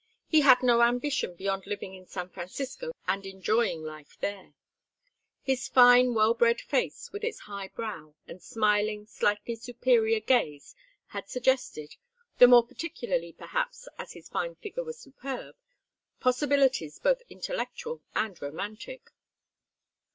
He had no ambition beyond living in San Francisco and enjoying life there. His fine well bred face with its high brow and smiling, slightly superior, gaze, had suggested the more particularly, perhaps, as his figure was superb possibilities both intellectual and romantic.